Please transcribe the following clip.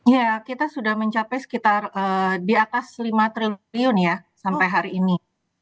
ya kita sudah mencapai sekitar di atas lima triliun ya sampai hari ini